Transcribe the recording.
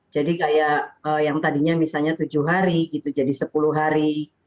jadi kayak yang tadinya misalnya tujuh hari gitu jadi sepuluh hari